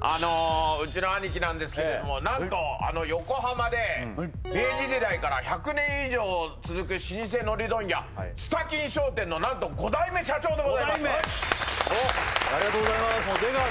あのううちの兄貴なんですけども何とあの横浜で明治時代から１００年以上続く老舗海苔問屋蔦金商店の何と５代目社長でございます５代目！